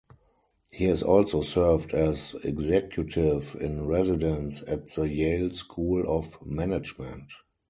He has also served as executive-in-residence at the Yale School of Management.